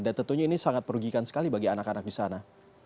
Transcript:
dan tentunya ini sangat perugikan sekali bagi anak anak di sana